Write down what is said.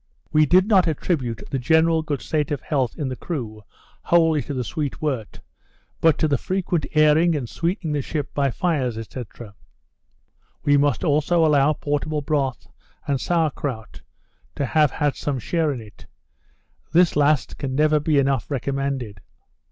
We did not attribute the general good state of health in the crew, wholly to the sweet wort, but to the frequent airing and sweetening the ship by fires, &c. We must also allow portable broth, and sour krout, to have had some share in it. This last can never be enough recommended.